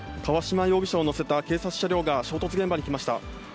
川島容疑者を乗せた警察車両が衝突現場に来ました。